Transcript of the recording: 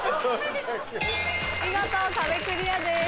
見事壁クリアです。